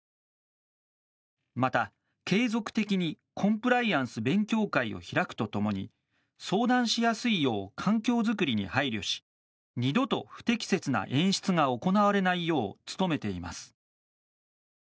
また、継続的にコンプライアンス勉強会を開くとともに相談しやすいよう環境作りに配慮し二度と不適切な演出が行われないよう努めています。